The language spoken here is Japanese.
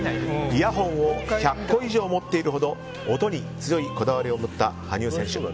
イヤホンを１００個以上持っているほど、音に強いこだわりを持った羽生選手。